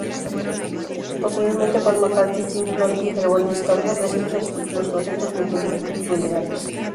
Posteriormente Paul McCartney, Pink Floyd y The Rolling Stones ofrecieran sus respectivos conciertos multitudinarios.